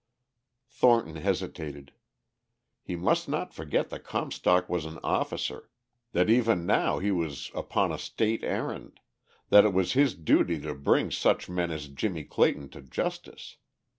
Thornton hesitated. He must not forget that Comstock was an officer that even now he was upon a state errand that it was his duty to bring such men as Jimmie Clayton to justice.